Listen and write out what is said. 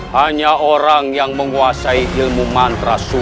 hanya orang yang menguasai ilmu mantra